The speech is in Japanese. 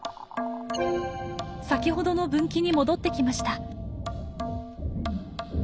先ほどの分岐に戻ってきました。